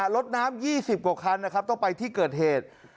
รถน้ำ๒๐กว่าคันนะครับต้องไปที่เกิดเหตุ